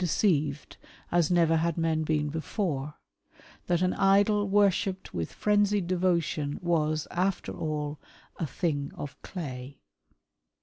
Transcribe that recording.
deceived as never had men been before ; that an idol worshipped " with phrenzied devotion was, after all, a thing of clay."